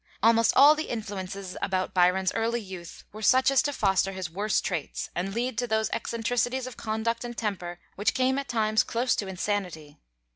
Almost all the influences about Byron's early youth were such as to foster his worst traits, and lead to those eccentricities of conduct and temper which came at times close to insanity.